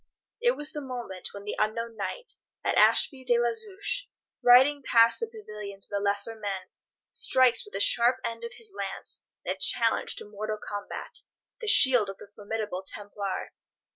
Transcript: It was the moment when the unknown knight, at Ashby de la Zouch, riding past the pavilions of the lesser men, strikes with the sharp end of his lance, in a challenge to mortal combat, the shield of the formidable Templar.